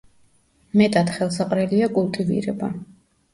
მეტად ხელსაყრელია კულტივირება.